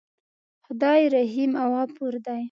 خدای رحیم او غفور دی.